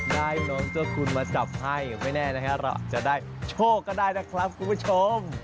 น้องเจ้าคุณมาจับให้ไม่แน่นะครับเราจะได้โชคก็ได้นะครับคุณผู้ชม